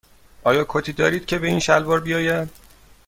آیا کتی دارید که به این شلوار بیاید؟